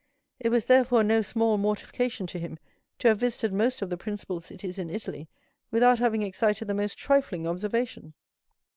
It was therefore no small mortification to him to have visited most of the principal cities in Italy without having excited the most trifling observation.